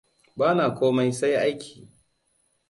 Ba na komai sai aiki.